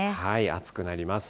暑くなります。